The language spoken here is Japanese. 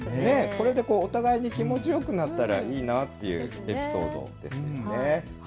これでお互いに気持ちよくなったらいいなというエピソードですよね。